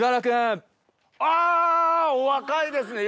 あお若いですね